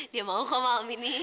dia mau kok malam ini